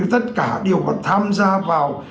tất cả đều có tham gia vào